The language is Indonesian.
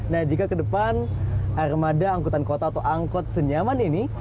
nah jika ke depan armada angkutan kota atau angkot senyaman ini